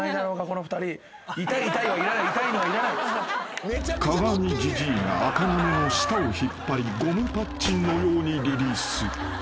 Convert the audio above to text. この２人」［鏡じじいがあかなめの舌を引っ張りゴムパッチンのようにリリース］